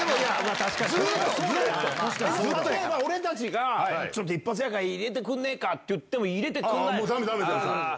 例えば俺たちが、ちょっと一発屋会入れてくんねえかって言っても、入れてくれない？